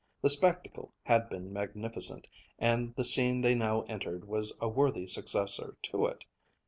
The spectacle had been magnificent and the scene they now entered was a worthy successor to it.